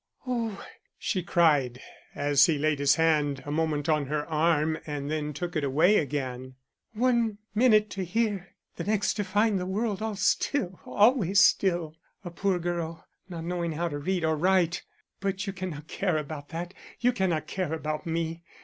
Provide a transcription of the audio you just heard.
"Oh," she cried, as he laid his hand a moment on her arm and then took it away again, "one minute to hear! the next to find the world all still, always still, a poor girl not knowing how to read or write! But you cannot care about that; you cannot care about me.